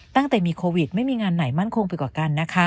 ตั้งแต่มีโควิดไม่มีงานไหนมั่นคงไปกว่ากันนะคะ